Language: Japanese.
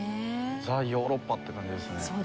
ザヨーロッパって感じですね。